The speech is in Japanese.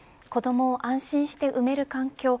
子どもを安心して産める環境